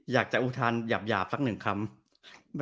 อยากจะอุทานหยาบสักหนึ่งคำ